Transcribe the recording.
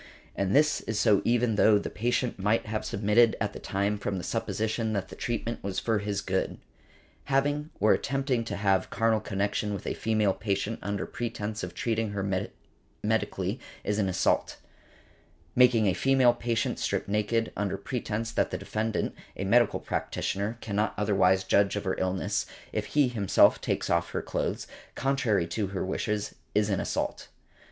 And this is so even though the patient might have submitted at the time from the supposition that the treatment was for his good. Having or attempting to have carnal connection with a female patient under pretence of treating her medically is an assault . Making a female patient strip naked, under pretence that the defendant, a medical practitioner, cannot otherwise judge of her illness, if he himself takes off her clothes, contrary to her wishes, is an assault.